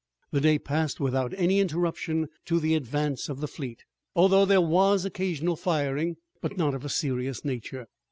The day passed without any interruption to the advance of the fleet, although there was occasional firing, but not of a serious nature.